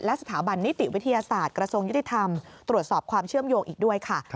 สถาบันนิติวิทยาศาสตร์กระทรวงยุติธรรมตรวจสอบความเชื่อมโยงอีกด้วยค่ะ